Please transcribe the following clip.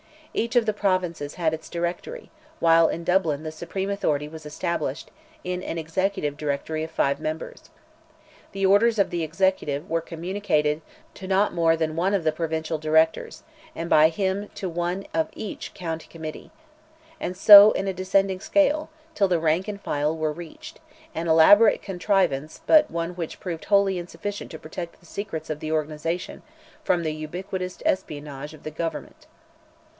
Each of the provinces had its Directory, while in Dublin the supreme authority was established, in an "Executive Directory" of five members. The orders of the Executive were communicated to not more than one of the Provincial Directors, and by him to one of each County Committee, and so in a descending scale, till the rank and file were reached; an elaborate contrivance, but one which proved wholly insufficient to protect the secrets of the organization from the ubiquitous espionage of the government.